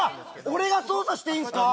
俺が操作していいんすか？